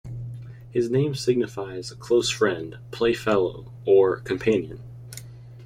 His name signifies "close friend", "play-fellow" or "companion".